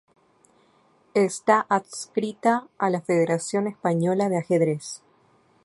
Está adscrita a la Federación Española de Ajedrez.